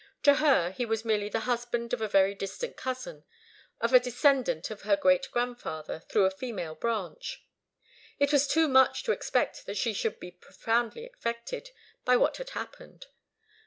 To her, he was merely the husband of a very distant cousin of a descendant of her great grandfather through a female branch. It was too much to expect that she should be profoundly affected by what had happened.